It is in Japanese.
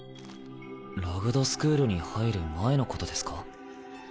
ラグドスクールに入る前のことですか？